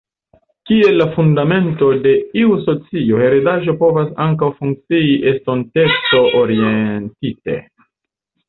Kiel la fundamento de iu socio heredaĵo povas ankaŭ funkcii estonteco-orientite.